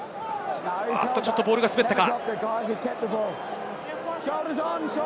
ちょっとボールが滑ったか。